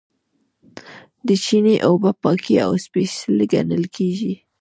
د چینې اوبه پاکې او سپیڅلې ګڼل کیږي.